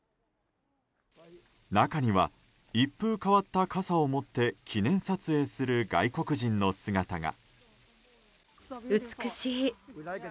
中には、一風変わった傘を持って記念撮影する外国人の姿が。